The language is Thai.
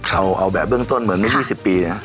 เอาแบบเบื้องต้นเหมือนเมื่อ๒๐ปีนะ